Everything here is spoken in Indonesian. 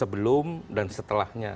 sebelum dan setelahnya